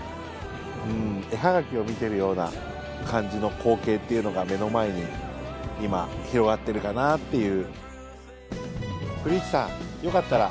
絵はがきを見てるような感じの光景っていうのが目の前に今広がってるかなっていう。